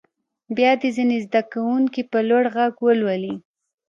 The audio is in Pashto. بیا دې ځینې زده کوونکي په لوړ غږ ولولي.